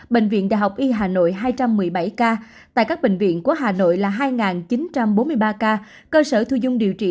bệnh viện đại học y hà nội hai trăm một mươi bảy ca tại các bệnh viện của hà nội là hai chín trăm bốn mươi ba ca cơ sở thu dung điều trị